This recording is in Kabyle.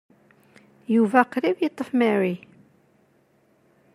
Yuba qrib yeṭṭef Mary.